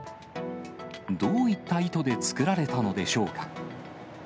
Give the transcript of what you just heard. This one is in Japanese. どういった意図で作られたのでしょうか。